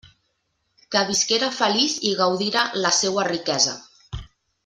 Que visquera feliç i gaudira la seua riquesa!